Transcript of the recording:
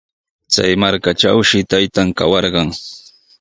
Chay markatrawshi taytan kawarqan.